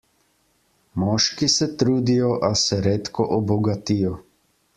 Moški se trudijo, a se redko obogatijo.